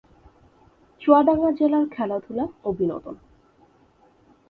চুয়াডাঙ্গা জেলার খেলাধুলা ও বিনোদন